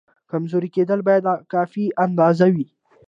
کمزوری کېدل باید کافي اندازه وي.